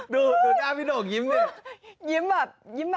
ดูหน้าพี่โหนงสิยิ้มเนี่ย